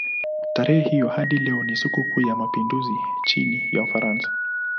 Tarehe hiyo hadi leo ni sikukuu ya mapinduzi nchini Ufaransa.